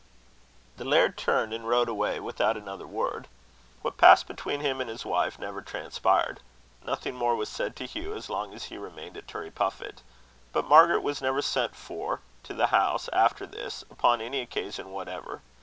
The laird turned and rode away without another word. What passed between him and his wife never transpired. Nothing more was said to Hugh as long as he remained at Turriepuffit. But Margaret was never sent for to the House after this, upon any occasion whatever.